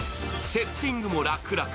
セッティングも楽々。